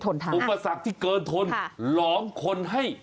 ทนทานสุดยอดนะคะอุปสรรคที่เกินทนหลอมคนให้